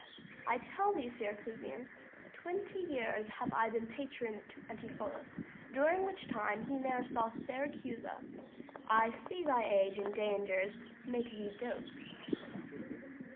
_ I tell thee, Syracusian, twenty years 325 Have I been patron to Antipholus, During which time he ne'er saw Syracusa: I see thy age and dangers make thee dote.